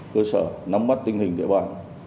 cơ sở nắm mắt tình hình địa bàn